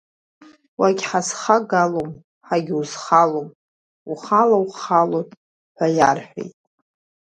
Уагьҳазхагалом, ҳагьузхагалом, ухала ухалот, ҳәа иарҳәет.